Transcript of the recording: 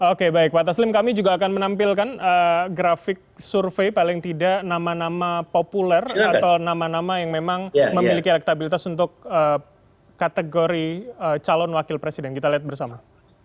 oke baik pak taslim kami juga akan menampilkan grafik survei paling tidak nama nama populer atau nama nama yang memang memiliki elektabilitas untuk kategori calon wakil presiden kita lihat bersama